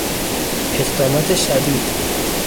اقدامات شدید